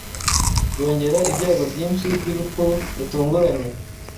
byongera ibyago byinshi by’urupfu rutunguranye